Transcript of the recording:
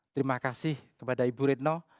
terima kasih kepada ibu retno